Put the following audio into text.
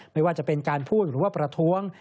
ไม่ว่าจะเป็นการพูดหรือว่าประท้วง